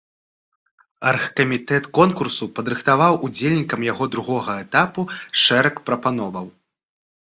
Аргкамітэт конкурсу падрыхтаваў удзельнікам яго другога этапу шэраг прапановаў.